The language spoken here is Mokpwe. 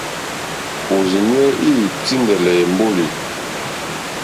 Òrzìɲɛ́ î tíndɛ̀lɛ̀ èmbólì.